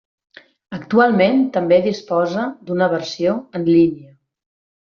Actualment també disposa d'una versió en línia.